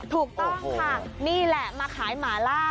ถูกต้องค่ะนี่แหละมาขายหมาล่า